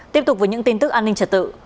tiếp tục với những tin tức an ninh trật tự